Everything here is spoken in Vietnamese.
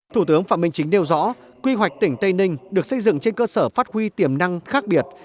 thủ tướng phạm minh chính nêu rõ quy hoạch tỉnh tây ninh được xây dựng trên cơ sở phát huy tiềm năng khác biệt